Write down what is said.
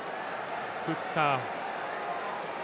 フッカー。